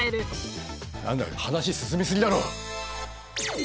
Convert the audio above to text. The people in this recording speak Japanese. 何だよ話進み過ぎだろ。